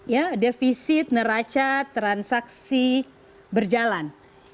ya defisit neraca transaksi berjalan